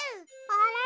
あれ？